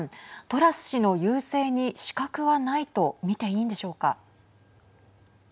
トラス氏の優勢に死角はないと見ていいんでしょうか。